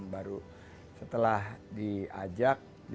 baru setelah diajak di dua ribu empat belas